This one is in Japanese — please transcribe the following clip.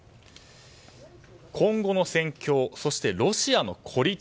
今後の戦況、そしてロシアの孤立